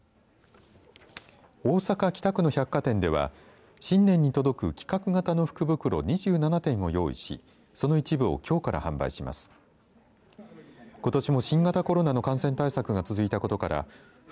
大阪、北区の百貨店では新年に届く企画型の福袋２７点を用意しその一部をきょうから販売します。